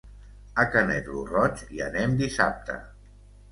A Canet lo Roig hi anem dissabte.